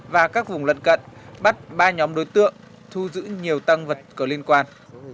và các vùng lật cận bắt ba nhóm đối tượng thu giữ nhiều tăng vật có liên quan